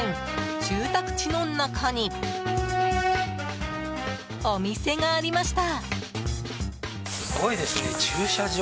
住宅地の中にお店がありました。